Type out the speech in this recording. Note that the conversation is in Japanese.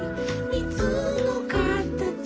「みずのかたち」